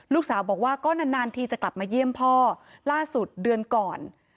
ลูกสาวบอกว่าก็นานนานทีจะกลับมาเยี่ยมพ่อล่าสุดเดือนก่อน